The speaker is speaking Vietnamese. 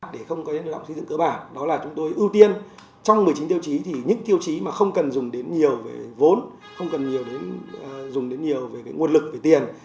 để không có nhân lộng xây dựng cơ bản đó là chúng tôi ưu tiên trong một mươi chín tiêu chí thì những tiêu chí mà không cần dùng đến nhiều về vốn không cần nhiều dùng đến nhiều về nguồn lực về tiền